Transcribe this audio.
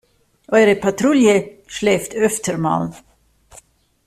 Eure Patrouille schläft öfter mal.